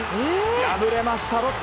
敗れました、ロッテ。